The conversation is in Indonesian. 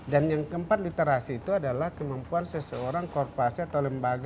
dan yang keempat literasi itu adalah kemampuan seseorang korporasi atau lembaga